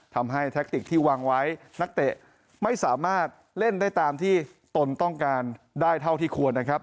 แทคติกที่วางไว้นักเตะไม่สามารถเล่นได้ตามที่ตนต้องการได้เท่าที่ควรนะครับ